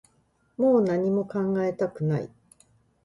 もう何も考えたくない